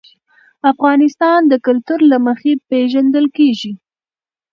افغانستان د کلتور له مخې پېژندل کېږي.